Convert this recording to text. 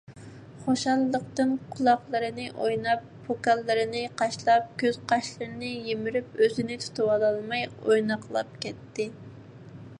خۇشاللىقتىن قۇلاقلىرىنى ئويناپ، پوكانلىرىنى قاشلاپ، كۆز - قاشلىرىنى يىمىرىپ ئۆزىنى تۇتۇۋالالماي ئويناقلاپ كەتتى.